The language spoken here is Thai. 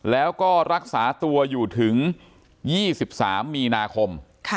แล้วก็รักษาตัวอยู่ถึง๒๓มีนาคม